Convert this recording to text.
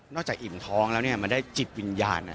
จากอิ่มท้องแล้วมันได้จิตวิญญาณ